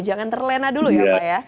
jangan terlena dulu ya pak ya